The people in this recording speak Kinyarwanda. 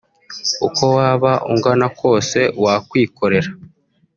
uko waba ungana kose wakwikorera